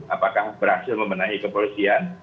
apakah berhasil membenahi kepolisian